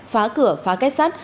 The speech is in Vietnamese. phá cửa phá kết sát